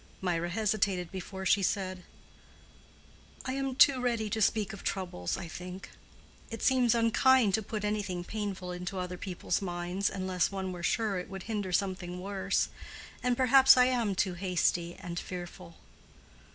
Mirah hesitated before she said, "I am too ready to speak of troubles, I think. It seems unkind to put anything painful into other people's minds, unless one were sure it would hinder something worse. And perhaps I am too hasty and fearful."